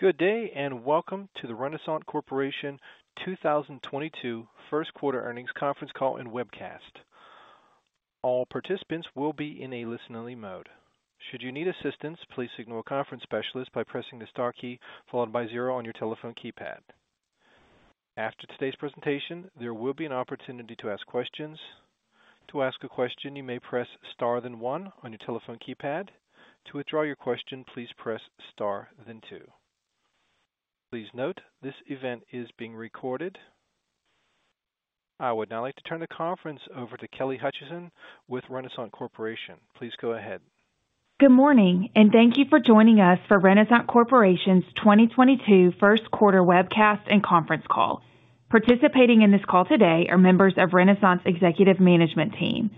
Good day, and welcome to the Renasant Corporation 2022 first quarter earnings conference call and webcast. All participants will be in a listen-only mode. Should you need assistance, please signal a conference specialist by pressing the star key followed by zero on your telephone keypad. After today's presentation, there will be an opportunity to ask questions. To ask a question, you may press star then one on your telephone keypad. To withdraw your question, please press star then two. Please note, this event is being recorded. I would now like to turn the conference over to Kelly Hutcheson with Renasant Corporation. Please go ahead. Good morning, and thank you for joining us for Renasant Corporation's 2022 first quarter webcast and conference call. Participating in this call today are members of Renasant's executive management team.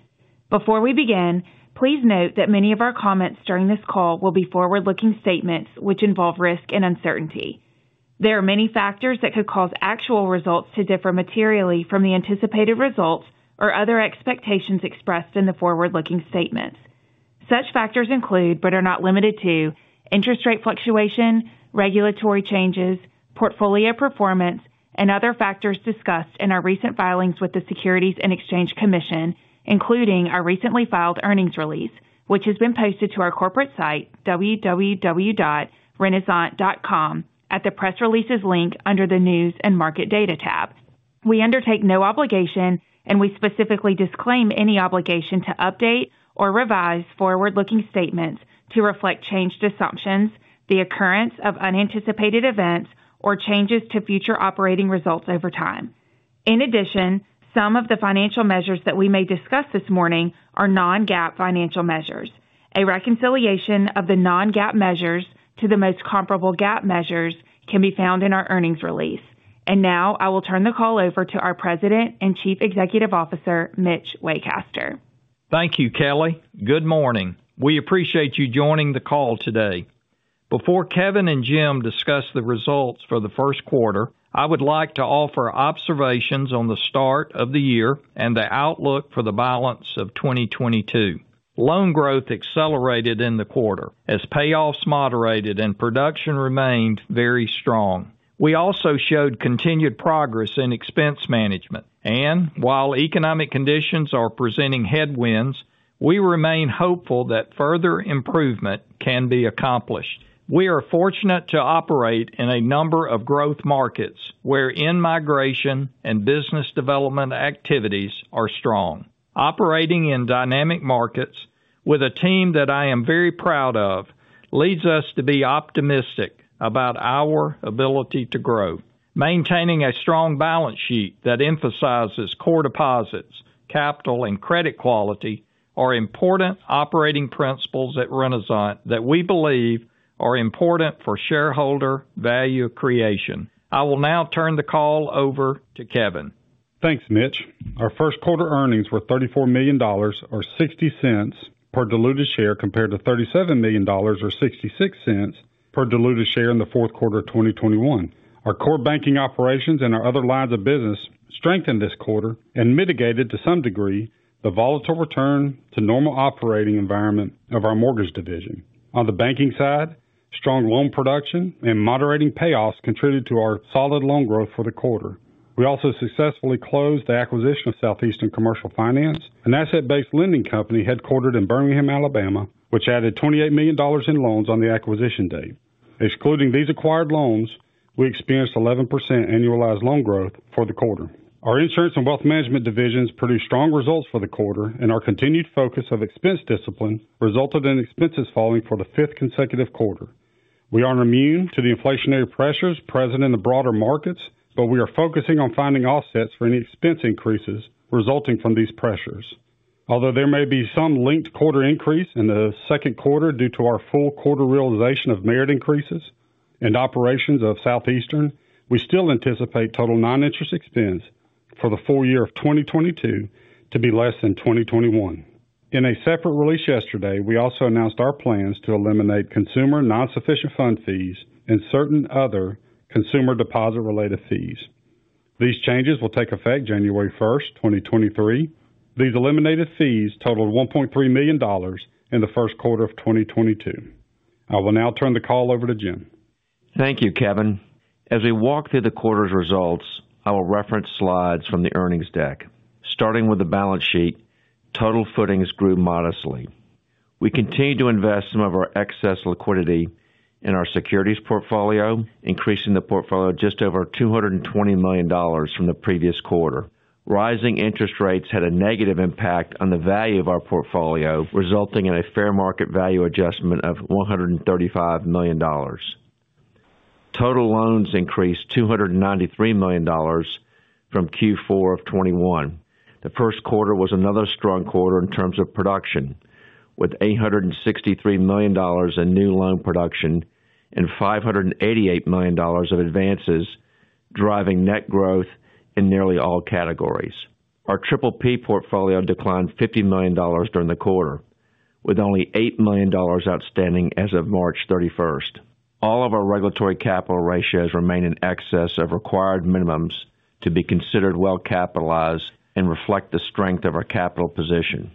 Before we begin, please note that many of our comments during this call will be forward-looking statements which involve risk and uncertainty. There are many factors that could cause actual results to differ materially from the anticipated results or other expectations expressed in the forward-looking statements. Such factors include, but are not limited to interest rate fluctuation, regulatory changes, portfolio performance, and other factors discussed in our recent filings with the Securities and Exchange Commission, including our recently filed earnings release, which has been posted to our corporate site, www.renasant.com, at the Press Releases link under the News and Market Data tab. We undertake no obligation, and we specifically disclaim any obligation to update or revise forward-looking statements to reflect changed assumptions, the occurrence of unanticipated events, or changes to future operating results over time. In addition, some of the financial measures that we may discuss this morning are non-GAAP financial measures. A reconciliation of the non-GAAP measures to the most comparable GAAP measures can be found in our earnings release. Now I will turn the call over to our President and Chief Executive Officer, Mitch Waycaster. Thank you, Kelly. Good morning. We appreciate you joining the call today. Before Kevin and Jim discuss the results for the first quarter, I would like to offer observations on the start of the year and the outlook for the balance of 2022. Loan growth accelerated in the quarter as payoffs moderated and production remained very strong. We also showed continued progress in expense management. While economic conditions are presenting headwinds, we remain hopeful that further improvement can be accomplished. We are fortunate to operate in a number of growth markets where in-migration and business development activities are strong. Operating in dynamic markets with a team that I am very proud of leads us to be optimistic about our ability to grow. Maintaining a strong balance sheet that emphasizes core deposits, capital, and credit quality are important operating principles at Renasant that we believe are important for shareholder value creation. I will now turn the call over to Kevin. Thanks, Mitch. Our first quarter earnings were $34 million or $0.60 per diluted share compared to $37 million or $0.66 per diluted share in the fourth quarter of 2021. Our core banking operations and our other lines of business strengthened this quarter and mitigated to some degree the volatile return to normal operating environment of our mortgage division. On the banking side, strong loan production and moderating payoffs contributed to our solid loan growth for the quarter. We also successfully closed the acquisition of Southeastern Commercial Finance, an asset-based lending company headquartered in Birmingham, Alabama, which added $28 million in loans on the acquisition date. Excluding these acquired loans, we experienced 11% annualized loan growth for the quarter. Our insurance and wealth management divisions produced strong results for the quarter, and our continued focus of expense discipline resulted in expenses falling for the fifth consecutive quarter. We aren't immune to the inflationary pressures present in the broader markets, but we are focusing on finding offsets for any expense increases resulting from these pressures. Although there may be some linked quarter increase in the second quarter due to our full quarter realization of merit increases and operations of Southeastern, we still anticipate total non-interest expense for the full year of 2022 to be less than 2021. In a separate release yesterday, we also announced our plans to eliminate consumer non-sufficient fund fees and certain other consumer deposit related fees. These changes will take effect January 1st, 2023. These eliminated fees totaled $1.3 million in the first quarter of 2022. I will now turn the call over to Jim. Thank you, Kevin. As we walk through the quarter's results, I will reference slides from the earnings deck. Starting with the balance sheet, total footings grew modestly. We continued to invest some of our excess liquidity in our securities portfolio, increasing the portfolio just over $220 million from the previous quarter. Rising interest rates had a negative impact on the value of our portfolio, resulting in a fair market value adjustment of $135 million. Total loans increased $293 million from Q4 of 2021. The first quarter was another strong quarter in terms of production, with $863 million in new loan production and $588 million of advances, driving net growth in nearly all categories. Our PPP portfolio declined $50 million during the quarter, with only $8 million outstanding as of March 31st. All of our regulatory capital ratios remain in excess of required minimums to be considered well capitalized and reflect the strength of our capital position.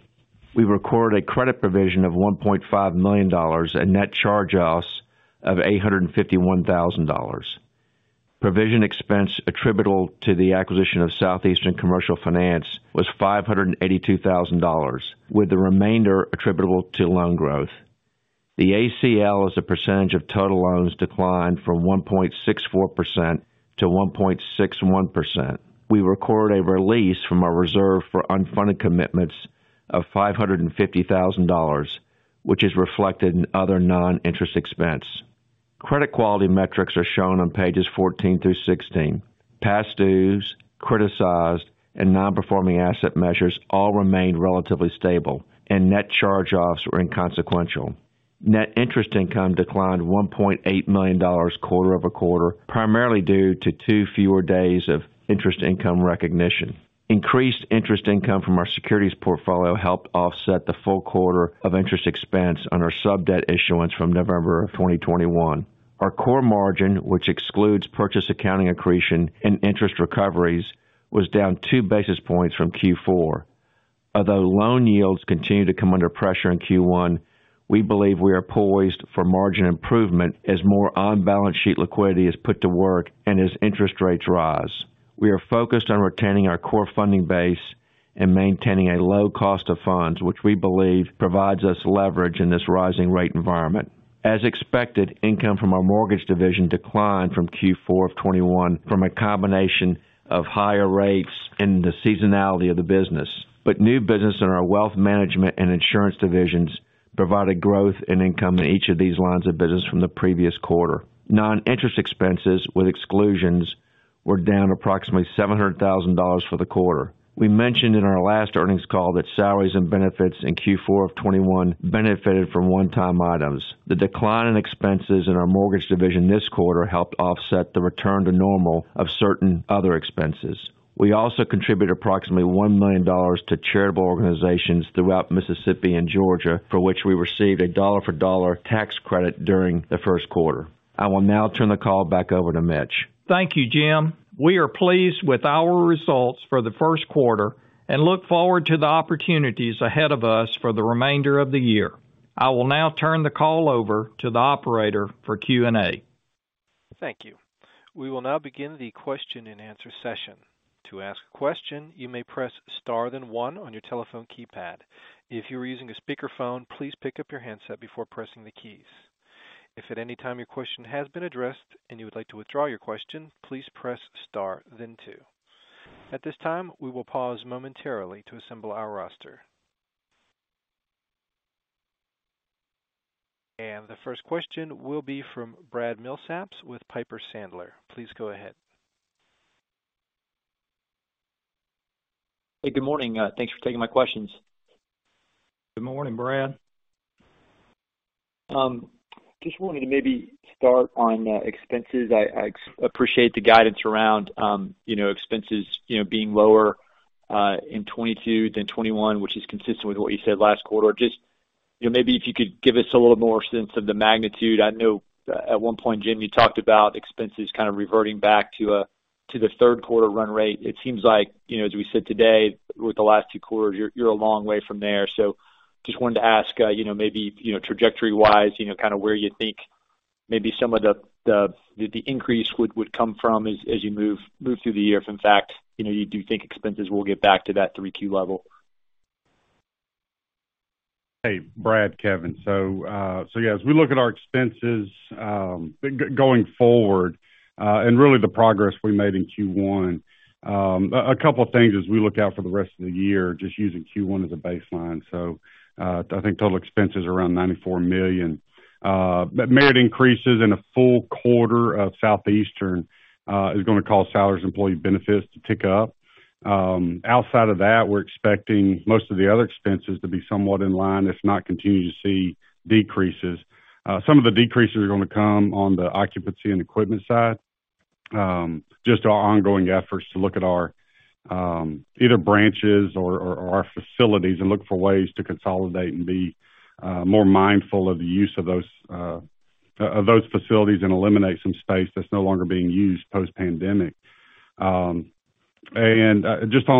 We recorded a credit provision of $1.5 million and net charge-offs of $851,000. Provision expense attributable to the acquisition of Southeastern Commercial Finance was $582,000, with the remainder attributable to loan growth. The ACL as a percentage of total loans declined from 1.64% to 1.61%. We recorded a release from our reserve for unfunded commitments of $550,000, which is reflected in other non-interest expense. Credit quality metrics are shown on pages 14 through 16. Past dues, criticized, and non-performing asset measures all remained relatively stable, and net charge-offs were inconsequential. Net interest income declined $1.8 million quarter over quarter, primarily due to two fewer days of interest income recognition. Increased interest income from our securities portfolio helped offset the full quarter of interest expense on our sub-debt issuance from November 2021. Our core margin, which excludes purchase accounting accretion and interest recoveries, was down 2 basis points from Q4. Although loan yields continue to come under pressure in Q1, we believe we are poised for margin improvement as more on-balance sheet liquidity is put to work and as interest rates rise. We are focused on retaining our core funding base and maintaining a low cost of funds, which we believe provides us leverage in this rising rate environment. As expected, income from our mortgage division declined from Q4 of 2021 from a combination of higher rates and the seasonality of the business. New business in our wealth management and insurance divisions provided growth and income in each of these lines of business from the previous quarter. Non-interest expenses with exclusions were down approximately $700,000 for the quarter. We mentioned in our last earnings call that salaries and benefits in Q4 of 2021 benefited from one-time items. The decline in expenses in our mortgage division this quarter helped offset the return to normal of certain other expenses. We also contributed approximately $1 million to charitable organizations throughout Mississippi and Georgia, for which we received a dollar for dollar tax credit during the first quarter. I will now turn the call back over to Mitch. Thank you, Jim. We are pleased with our results for the first quarter and look forward to the opportunities ahead of us for the remainder of the year. I will now turn the call over to the operator for Q&A. Thank you. We will now begin the question and answer session. To ask a question, you may press star then one on your telephone keypad. If you are using a speakerphone, please pick up your handset before pressing the keys. If at any time your question has been addressed and you would like to withdraw your question, please press star then two. At this time, we will pause momentarily to assemble our roster. The first question will be from Brad Millsaps with Piper Sandler. Please go ahead. Hey, good morning. Thanks for taking my questions. Good morning, Brad. Just wanted to maybe start on expenses. I appreciate the guidance around, you know, expenses, you know, being lower in 2022 than 2021, which is consistent with what you said last quarter. Just, you know, maybe if you could give us a little more sense of the magnitude. I know at one point, Jim, you talked about expenses kind of reverting back to the third quarter run rate. It seems like, you know, as we sit today, with the last two quarters, you're a long way from there. Just wanted to ask, you know, maybe, you know, trajectory-wise, you know, kind of where you think maybe some of the increase would come from as you move through the year if in fact, you know, you do think expenses will get back to that 3Q level? Hey, Brad. Kevin. Yes, we look at our expenses, going forward, and really the progress we made in Q1. A couple of things as we look out for the rest of the year, just using Q1 as a baseline. I think total expenses around $94 million. Merit increases in a full quarter of Southeastern is gonna cause salaries and employee benefits to tick up. Outside of that, we're expecting most of the other expenses to be somewhat in line, if not continue to see decreases. Some of the decreases are gonna come on the occupancy and equipment side. Just our ongoing efforts to look at our either branches or our facilities and look for ways to consolidate and be more mindful of the use of those facilities and eliminate some space that's no longer being used post-pandemic. Just on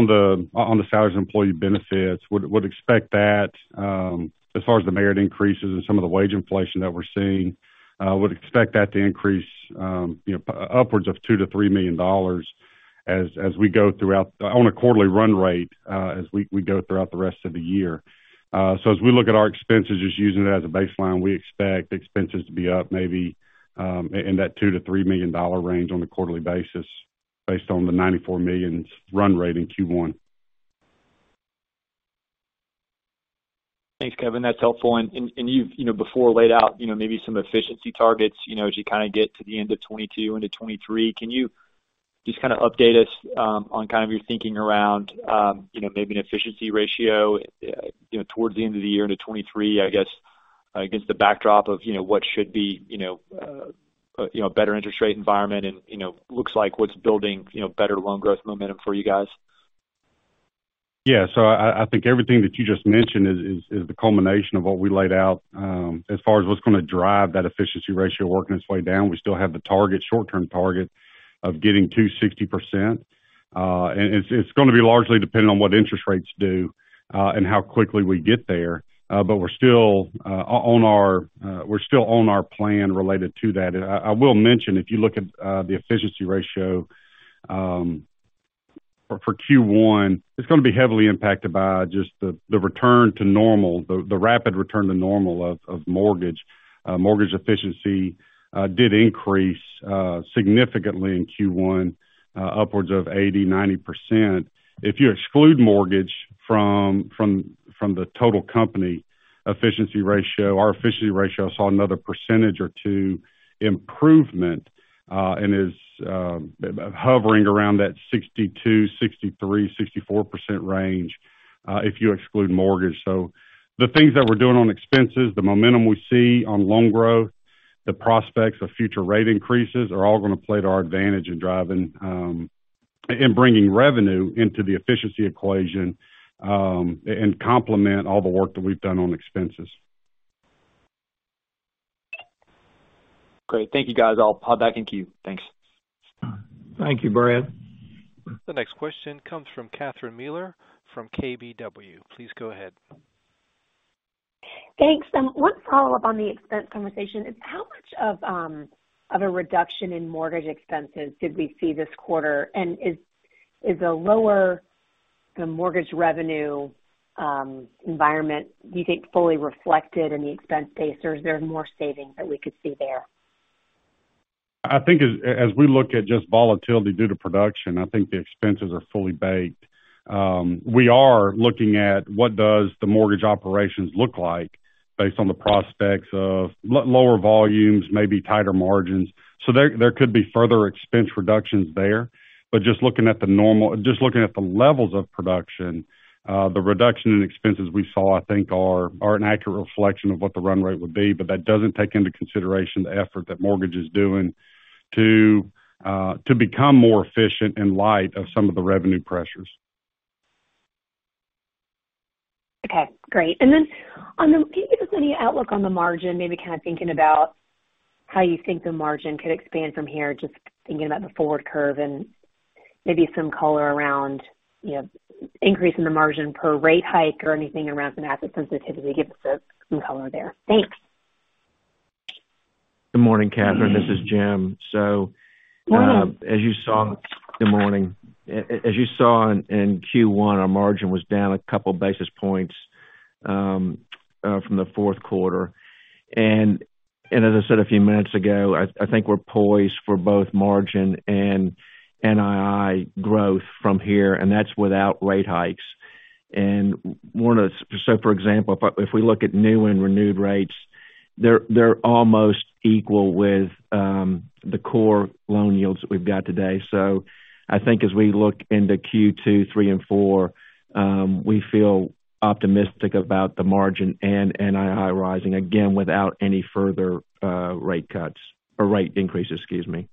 the salaries and employee benefits, would expect that as far as the merit increases and some of the wage inflation that we're seeing, would expect that to increase, you know, upwards of $2 million-$3 million on a quarterly run rate as we go throughout the rest of the year. As we look at our expenses, just using it as a baseline, we expect expenses to be up maybe in that $2 million-$3 million range on a quarterly basis based on the $94 million run rate in Q1. Thanks, Kevin. That's helpful. You've, you know, before laid out, you know, maybe some efficiency targets, you know, as you kinda get to the end of 2022 into 2023. Can you just kinda update us, on kind of your thinking around, you know, maybe an efficiency ratio, you know, towards the end of the year into 2023, I guess, against the backdrop of, you know, what should be, you know, a better interest rate environment and, you know, looks like what's building, you know, better loan growth momentum for you guys? Yeah. I think everything that you just mentioned is the culmination of what we laid out, as far as what's gonna drive that efficiency ratio working its way down. We still have the target, short-term target of getting to 60%. It's gonna be largely dependent on what interest rates do and how quickly we get there. We're still on our plan related to that. I will mention, if you look at the efficiency ratio for Q1, it's gonna be heavily impacted by just the return to normal, the rapid return to normal of mortgage. Mortgage efficiency did increase significantly in Q1, upwards of 80%-90%. If you exclude mortgage from the total company efficiency ratio, our efficiency ratio saw another percentage point or two improvement and is hovering around that 62%-63%-64% range, if you exclude mortgage. The things that we're doing on expenses, the momentum we see on loan growth, the prospects of future rate increases are all gonna play to our advantage in driving, in bringing revenue into the efficiency equation, and complement all the work that we've done on expenses. Great. Thank you, guys. I'll hop back in queue. Thanks. Thank you, Brad. The next question comes from Catherine Mealor from KBW. Please go ahead. Thanks. One follow-up on the expense conversation is how much of a reduction in mortgage expenses did we see this quarter? Is a lower mortgage revenue environment, do you think, fully reflected in the expense base, or is there more savings that we could see there? I think as we look at just volatility due to production, I think the expenses are fully baked. We are looking at what does the mortgage operations look like based on the prospects of lower volumes, maybe tighter margins. There could be further expense reductions there. Just looking at the levels of production, the reduction in expenses we saw, I think are an accurate reflection of what the run rate would be, but that doesn't take into consideration the effort that mortgage is doing to become more efficient in light of some of the revenue pressures. Okay, great. Can you give us any outlook on the margin, maybe kind of thinking about how you think the margin could expand from here, just thinking about the forward curve and maybe some color around, you know, increase in the margin per rate hike or anything around some asset sensitivity. Give us some color there. Thanks. Good morning, Catherine. This is Jim. Morning. Good morning. As you saw in Q1, our margin was down a couple basis points from the fourth quarter. As I said a few minutes ago, I think we're poised for both margin and NII growth from here, and that's without rate hikes. For example, if we look at new and renewed rates, they're almost equal with the core loan yields that we've got today. I think as we look into Q2, Q3 and Q4, we feel optimistic about the margin and NII rising again without any further rate cuts or rate increases, excuse me.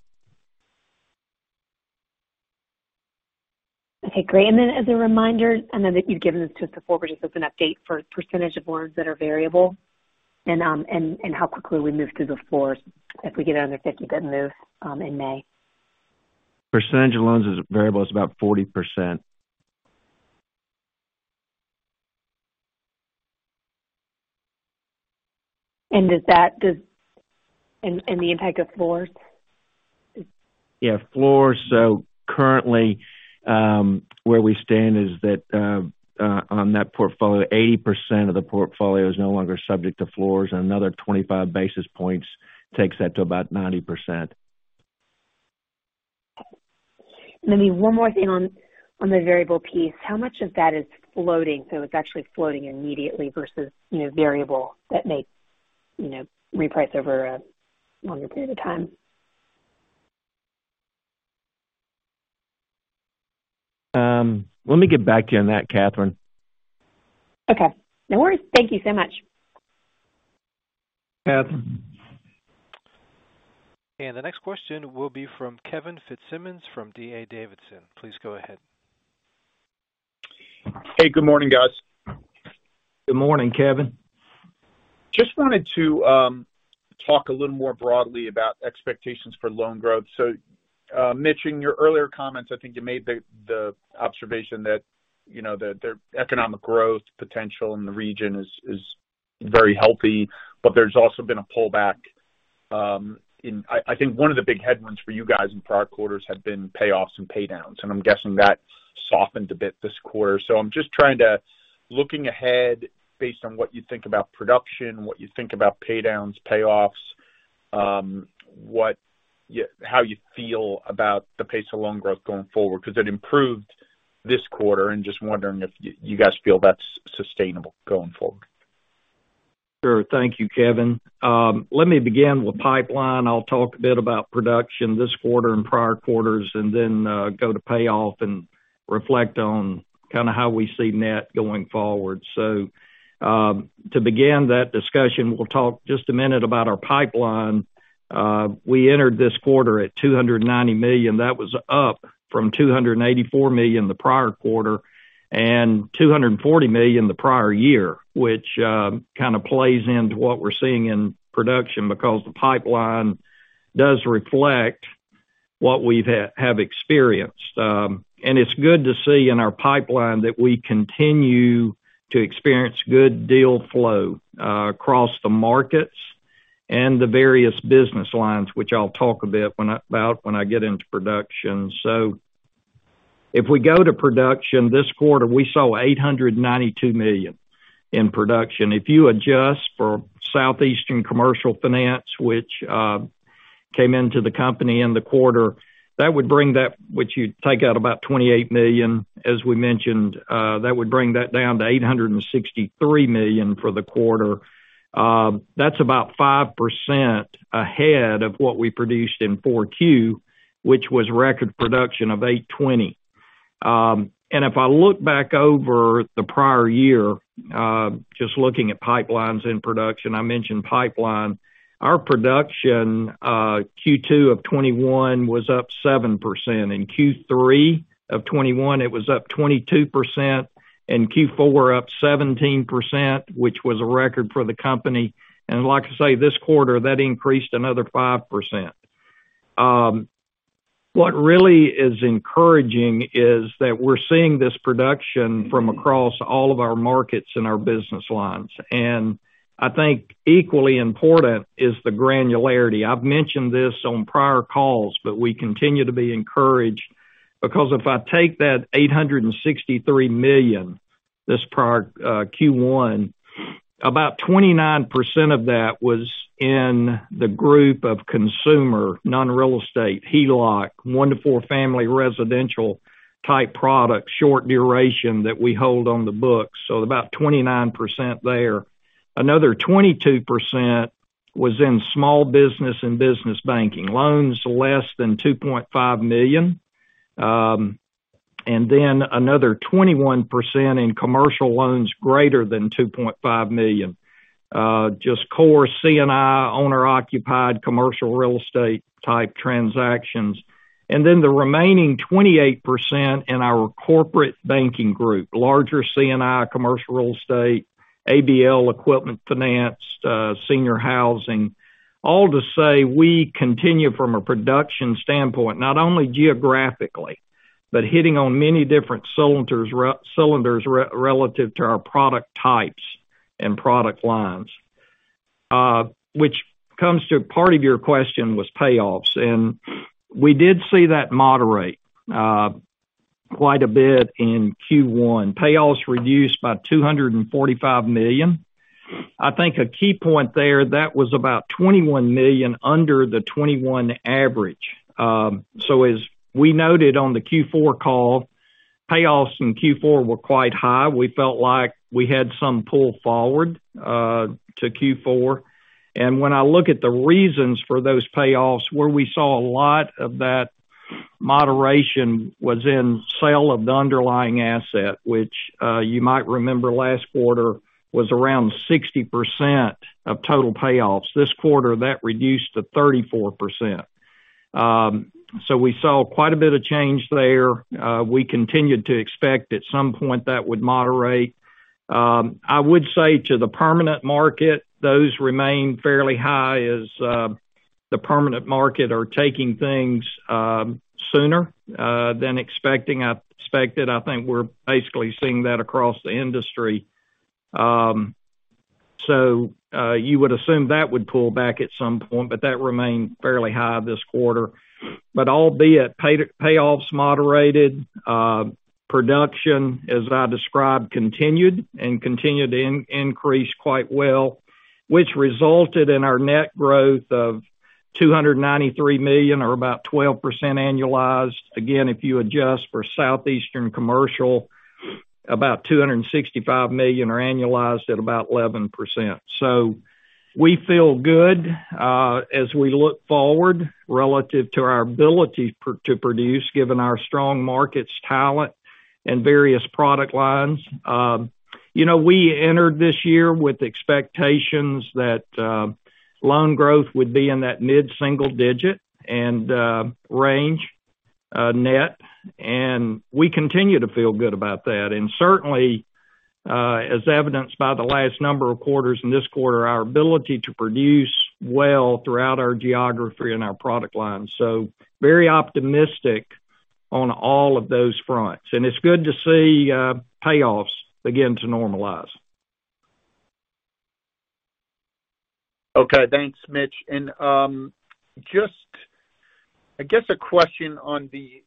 Okay, great. As a reminder, I know that you've given this to us before, but just as an update for percentage of loans that are variable and how quickly we move through the floors if we get another 50 basis points move in May. Percentage of loans is variable is about 40%. The impact of floors? Floors. Currently, where we stand is that, on that portfolio, 80% of the portfolio is no longer subject to floors, and another 25 basis points takes that to about 90%. One more thing on the variable piece. How much of that is floating? It's actually floating immediately versus, you know, variable that may, you know, reprice over a longer period of time. Let me get back to you on that, Catherine. Okay. No worries. Thank you so much. The next question will be from Kevin Fitzsimmons from D.A. Davidson. Please go ahead. Hey, good morning, guys. Good morning, Kevin. Just wanted to talk a little more broadly about expectations for loan growth. Mitch, in your earlier comments, I think you made the observation that, you know, the economic growth potential in the region is very healthy, but there's also been a pullback. I think one of the big headwinds for you guys in prior quarters had been payoffs and pay downs, and I'm guessing that softened a bit this quarter. I'm just trying to, looking ahead, based on what you think about production, what you think about pay downs, payoffs, how you feel about the pace of loan growth going forward, because it improved this quarter. I'm just wondering if you guys feel that's sustainable going forward. Sure. Thank you, Kevin. Let me begin with pipeline. I'll talk a bit about production this quarter and prior quarters and then, go to payoff and reflect on kind of how we see net going forward. To begin that discussion, we'll talk just a minute about our pipeline. We entered this quarter at $290 million. That was up from $284 million the prior quarter and $240 million the prior year, which kind of plays into what we're seeing in production because the pipeline does reflect What we've experienced. It's good to see in our pipeline that we continue to experience good deal flow across the markets and the various business lines, which I'll talk a bit about when I get into production. If we go to production this quarter, we saw $892 million in production. If you adjust for Southeastern Commercial Finance, which came into the company in the quarter, which you'd take out about $28 million, as we mentioned, that would bring that down to $863 million for the quarter. That's about 5% ahead of what we produced in 4Q, which was record production of $820. If I look back over the prior year, just looking at pipelines in production, I mentioned pipeline, our production, Q2 of 2021 was up 7%. In Q3 of 2021, it was up 22%, and Q4 up 17%, which was a record for the company. Like I say, this quarter, that increased another 5%. What really is encouraging is that we're seeing this production from across all of our markets and our business lines. I think equally important is the granularity. I've mentioned this on prior calls, but we continue to be encouraged because if I take that $863 million this prior Q1, about 29% of that was in the group of consumer, non-real estate, HELOC, one to four family residential type products, short duration that we hold on the books, so about 29% there. Another 22% was in small business and business banking, loans less than $2.5 million. And then another 21% in commercial loans greater than $2.5 million. Just core C&I, owner-occupied commercial real estate type transactions. And then the remaining 28% in our corporate banking group, larger C&I, commercial real estate, ABL, equipment finance, senior housing. All to say we continue from a production standpoint, not only geographically, but hitting on many different cylinders relative to our product types and product lines. Which comes to part of your question was payoffs, and we did see that moderate quite a bit in Q1. Payoffs reduced by $245 million. I think a key point there, that was about $21 million under the 2021 average. As we noted on the Q4 call, payoffs in Q4 were quite high. We felt like we had some pull forward to Q4. When I look at the reasons for those payoffs, where we saw a lot of that moderation was in sale of the underlying asset, which you might remember last quarter was around 60% of total payoffs. This quarter, that reduced to 34%. We saw quite a bit of change there. We continued to expect at some point that would moderate. I would say to the permanent market, those remain fairly high as, the permanent market are taking things, sooner, than expected. I think we're basically seeing that across the industry. You would assume that would pull back at some point, but that remained fairly high this quarter. Albeit, payoffs moderated. Production, as I described, continued to increase quite well, which resulted in our net growth of $293 million, or about 12% annualized. Again, if you adjust for Southeastern Commercial, about $265 million, or annualized at about 11%. We feel good as we look forward relative to our ability to produce given our strong markets talent and various product lines. You know, we entered this year with expectations that loan growth would be in that mid-single digit and range, net, and we continue to feel good about that. Certainly, as evidenced by the last number of quarters and this quarter, our ability to produce well throughout our geography and our product lines. Very optimistic on all of those fronts. It's good to see payoffs begin to normalize. Okay. Thanks, Mitch. Just, I guess, a question on the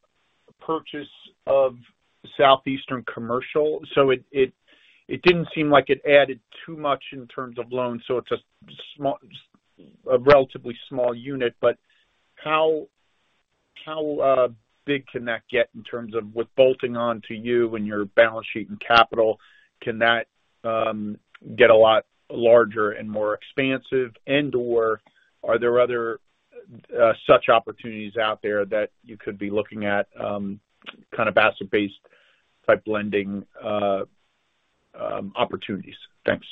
purchase of Southeastern Commercial. It didn't seem like it added too much in terms of loans, so it's a relatively small unit. How big can that get in terms of bolting on to you and your balance sheet and capital? Can that get a lot larger and more expansive? And/or are there other such opportunities out there that you could be looking at, kind of asset-based type lending opportunities? Thanks.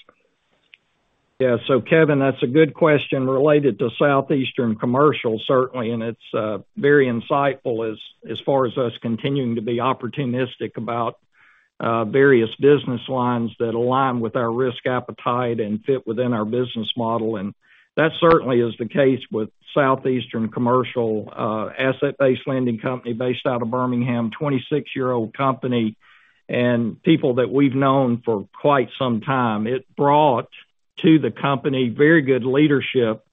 Yeah. Kevin, that's a good question related to Southeastern Commercial, certainly, and it's very insightful as far as us continuing to be opportunistic about. Various business lines that align with our risk appetite and fit within our business model. That certainly is the case with Southeastern Commercial, asset-based lending company based out of Birmingham, 26-year-old company, and people that we've known for quite some time. It brought to the company very good leadership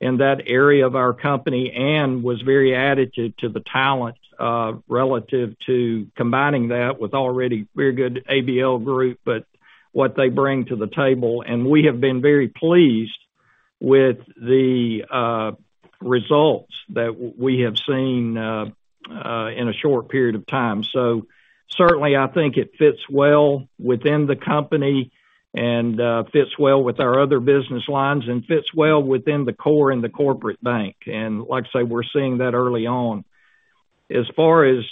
in that area of our company and was very additive to the talent, relative to combining that with already very good ABL group, but what they bring to the table. We have been very pleased with the results that we have seen in a short period of time. Certainly, I think it fits well within the company and fits well with our other business lines and fits well within the core in the corporate bank. Like I say, we're seeing that early on. As far as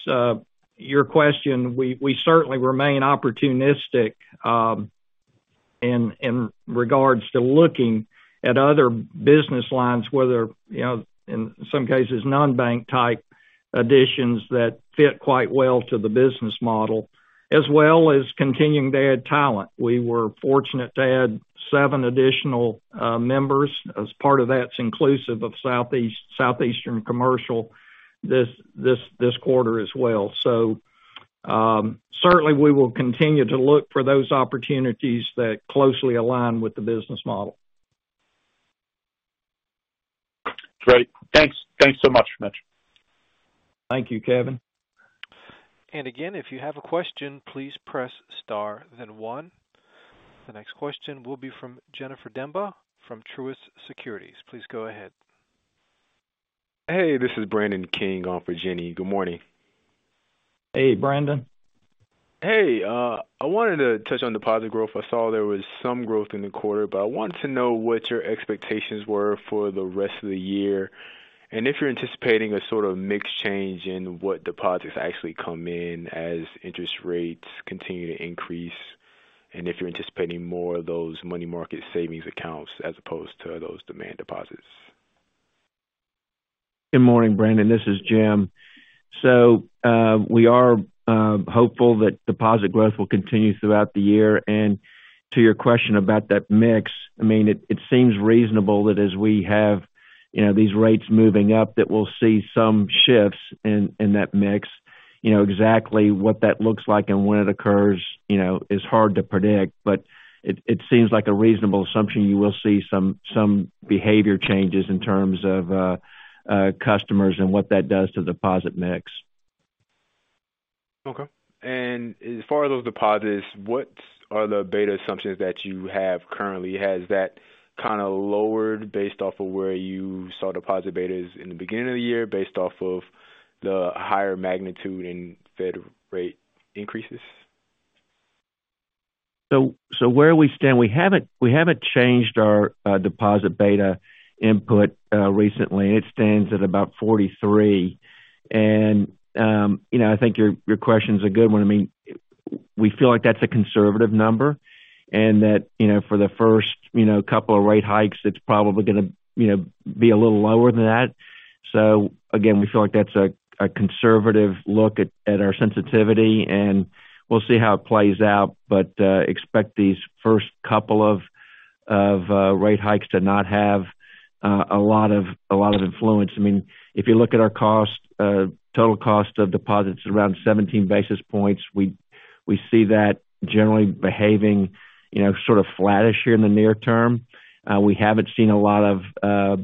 your question, we certainly remain opportunistic, in regards to looking at other business lines, whether, you know, in some cases, non-bank type additions that fit quite well to the business model, as well as continuing to add talent. We were fortunate to add seven additional members as part of that's inclusive of Southeastern Commercial this quarter as well. Certainly we will continue to look for those opportunities that closely align with the business model. Great. Thanks. Thanks so much, Mitch. Thank you, Kevin. Again, if you have a question, please press star then one. The next question will be from Jennifer Demba from Truist Securities. Please go ahead. Hey, this is Brandon King on for Jennifer. Good morning. Hey, Brandon. Hey, I wanted to touch on deposit growth. I saw there was some growth in the quarter, but I wanted to know what your expectations were for the rest of the year, and if you're anticipating a sort of mixed change in what deposits actually come in as interest rates continue to increase, and if you're anticipating more of those money market savings accounts as opposed to those demand deposits. Good morning, Brandon. This is Jim. We are hopeful that deposit growth will continue throughout the year. To your question about that mix, I mean, it seems reasonable that as we have, you know, these rates moving up, that we'll see some shifts in that mix. You know, exactly what that looks like and when it occurs, you know, is hard to predict, but it seems like a reasonable assumption you will see some behavior changes in terms of customers and what that does to deposit mix. Okay. As far as those deposits, what are the beta assumptions that you have currently? Has that kinda lowered based off of where you saw deposit betas in the beginning of the year based off of the higher magnitude in Fed rate increases? Where we stand, we haven't changed our deposit beta input recently. It stands at about 43. You know, I think your question's a good one. I mean, we feel like that's a conservative number, and that, you know, for the first, you know, couple of rate hikes, it's probably gonna, you know, be a little lower than that. Again, we feel like that's a conservative look at our sensitivity, and we'll see how it plays out, but expect these first couple of rate hikes to not have a lot of influence. I mean, if you look at our total cost of deposits around 17 basis points, we see that generally behaving, you know, sort of flattish here in the near term. We haven't seen a lot of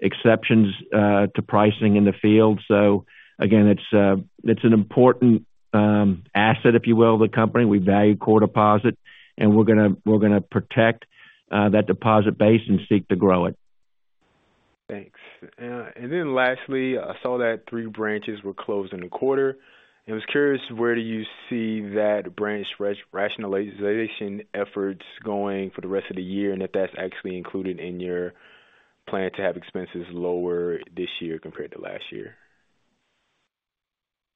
exceptions to pricing in the field. Again, it's an important asset, if you will, of the company. We value core deposit, and we're gonna protect that deposit base and seek to grow it. Thanks. Lastly, I saw that three branches were closed in the quarter. I was curious, where do you see that branch rationalization efforts going for the rest of the year, and if that's actually included in your plan to have expenses lower this year compared to last year?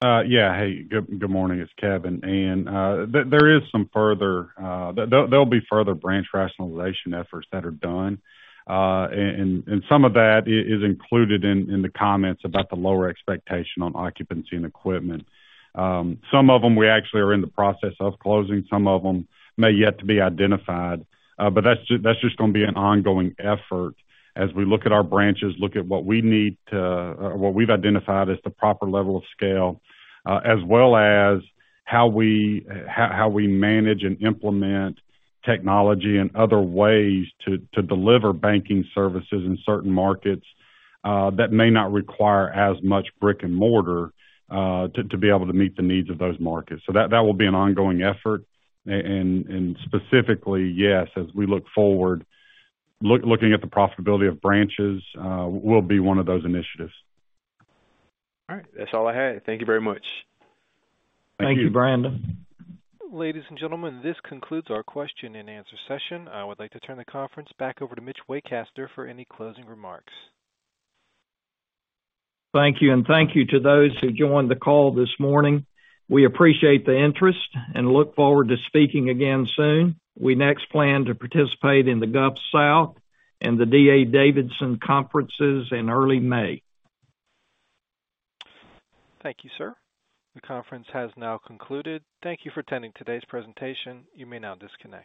Yeah. Hey, good morning. It's Kevin. There'll be further branch rationalization efforts that are done. Some of that is included in the comments about the lower expectation on occupancy and equipment. Some of them we actually are in the process of closing. Some of them may yet to be identified. But that's just gonna be an ongoing effort as we look at our branches, look at what we need to, or what we've identified as the proper level of scale, as well as how we manage and implement technology and other ways to deliver banking services in certain markets, that may not require as much brick and mortar, to be able to meet the needs of those markets. That will be an ongoing effort. Specifically, yes, as we look forward, looking at the profitability of branches, will be one of those initiatives. All right. That's all I had. Thank you very much. Thank you, Brandon. Ladies and gentlemen, this concludes our question and answer session. I would like to turn the conference back over to Mitch Waycaster for any closing remarks. Thank you, and thank you to those who joined the call this morning. We appreciate the interest and look forward to speaking again soon. We next plan to participate in the Gulf South and the D.A. Davidson conferences in early May. Thank you, sir. The conference has now concluded. Thank you for attending today's presentation. You may now disconnect.